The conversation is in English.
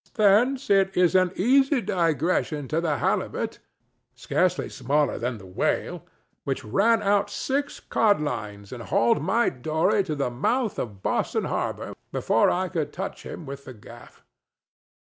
Thence it is an easy digression to the halibut—scarcely smaller than the whale—which ran out six codlines and hauled my dory to the mouth of Boston harbor before I could touch him with the gaff.